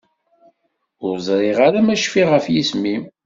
Ur ẓriɣ ara ma cfiɣ ɣef yisem-im.